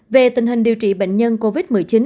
về tình hình điều trị bệnh nhân covid một mươi chín